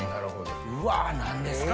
うわぁ何ですか？